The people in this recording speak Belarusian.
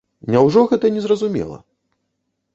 Няўжо гэта не зразумела?